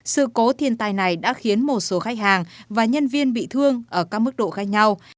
sự cố thiên tai này đã khiến một số khách hàng và nhân viên bị thương ở các mức độ khác nhau